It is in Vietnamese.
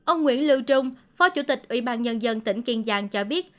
ông nguyễn lưu trung phó chủ tịch ủy ban nhân dân tỉnh kiên giang cho biết